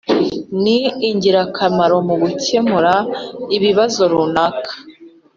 ni ingira kamaro mu gukemura ikibazo runaka.